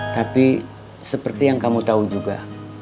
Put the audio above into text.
tapi seperti yang kamu tahu juga